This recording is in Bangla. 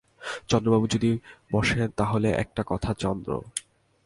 চন্দ্রবাবু যদি বসেন তা হলে একটা কথা– চন্দ্র।